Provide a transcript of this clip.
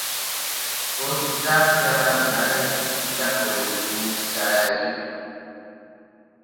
Bosra fue abandonada y sustituida por el-Muzayrib.